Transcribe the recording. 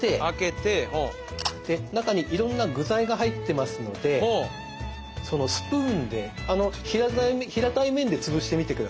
で中にいろんな具材が入ってますのでそのスプーンで平たい面で潰してみてください。